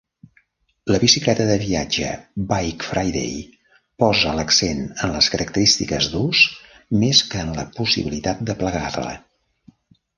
La bicicleta de viatge Bike Friday posa l'accent en les característiques d'ús més que en la possibilitat de plegar-la.